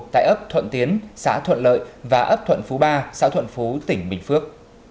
tại ấp thuận tiến xã thuận lợi và ấp thuận phú ba xã thuận phú tỉnh bình phước